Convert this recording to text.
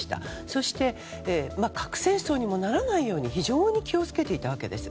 そして、核戦争にもならないように非常に気を付けていたわけです。